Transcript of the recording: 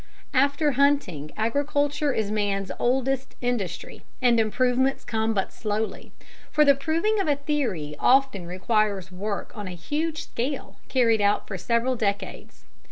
] After hunting, agriculture is man's oldest industry, and improvements come but slowly, for the proving of a theory often requires work on a huge scale carried out for several decades.